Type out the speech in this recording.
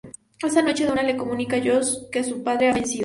Esa noche, Donna le comunica a Josh que su padre ha fallecido.